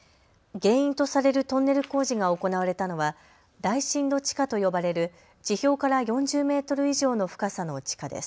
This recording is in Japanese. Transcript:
原因とされるトンネル工事が行われたのは大深度地下と呼ばれる地表から４０メートル以上の深さの地下です。